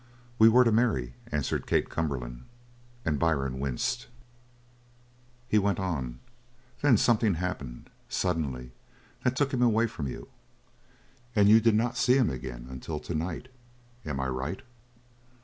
"We were to marry," answered Kate Cumberland, and Byrne winced. He went on: "Then something happened suddenly that took him away from you, and you did not see him again until to night. Am I right?"